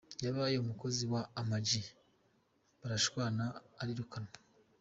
Yabaye umukozi wa Ama G barashwana arirukanwa.